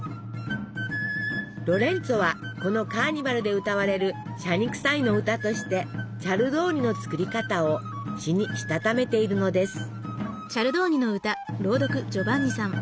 ロレンツォはこのカーニバルで歌われる「謝肉祭の歌」としてチャルドーニの作り方を詩にしたためているのです。